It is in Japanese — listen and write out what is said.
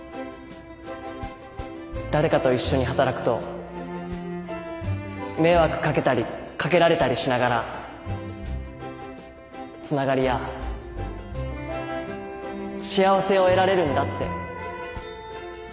誰かと一緒に働くと迷惑かけたりかけられたりしながらつながりや幸せを得られるんだって。